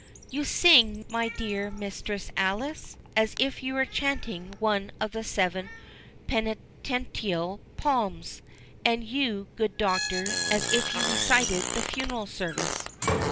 "You sing, my dear Mistress Alice, as if you were chanting one of the seven penitential psalms; and you, good Doctor, as if you recited the funeral service."